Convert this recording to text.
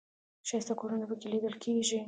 ښایسته کورونه په کې لیدل کېږي.